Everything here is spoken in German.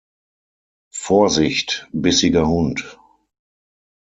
Vorsicht! Bissiger Hund.